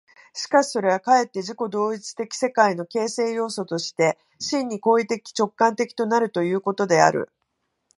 しかしそれはかえって自己同一的世界の形成要素として、真に行為的直観的となるということである。